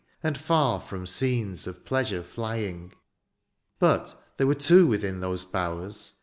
And far from scenes of pleasure flying. But there were two within those bowers.